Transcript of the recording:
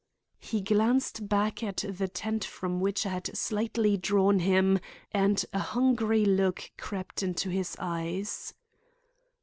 He glanced back at the tent from which I had slightly drawn him and a hungry look crept into his eyes.